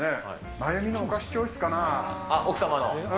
真由美のお菓子教室かな。